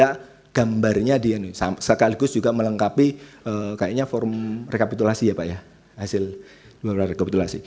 nah itu adalah gambarnya sekaligus juga melengkapi kayaknya form rekapitulasi ya pak ya